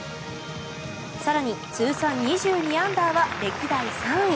更に、通算２２アンダーは歴代３位。